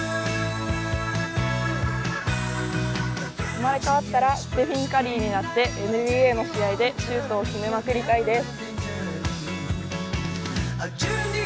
生まれ変わったらステフィン・カリーになってＮＢＡの試合でシュートを決めまくりたいです。